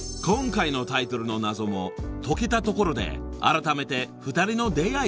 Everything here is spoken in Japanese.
［今回のタイトルの謎も解けたところであらためて］